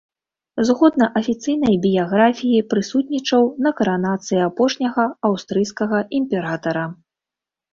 Згодна афіцыйнай біяграфіі прысутнічаў на каранацыі апошняга аўстрыйскага імператара.